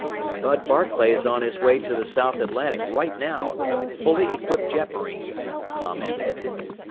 "Bud Barclay's on his way to the South Atlantic right now with a fully equipped jetmarine," Tom ended.